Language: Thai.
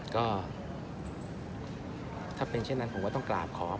ก็ถ้าเป็นเช่นนั้นผมก็ต้องกราบขออภัยครับ